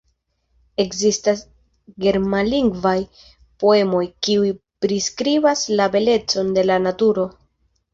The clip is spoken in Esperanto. Ekzistas germanlingvaj poemoj, kiuj priskribas la belecon de la naturo.